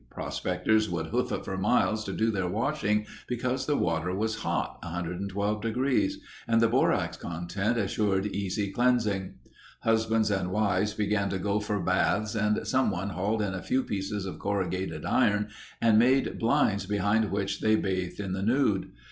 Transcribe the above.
Prospectors would "hoof" it for miles to do their washing because the water was hot—112 degrees, and the borax content assured easy cleansing. Husbands and wives began to go for baths and someone hauled in a few pieces of corrugated iron and made blinds behind which they bathed in the nude.